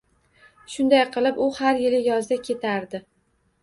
Shunday qilib u har yili yozda ketardi.